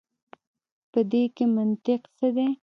په دې کښي منطق څه دی.